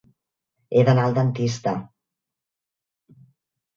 He d'anar al dentista.